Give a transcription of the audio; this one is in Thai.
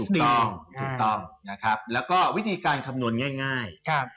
ถูกต้องแล้วก็วิธีการคำนวณง่าย